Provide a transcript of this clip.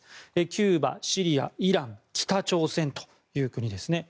キューバ、シリア、イラン北朝鮮という国ですね。